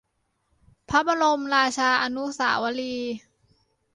พระบรมราชาอนุสาวรีย์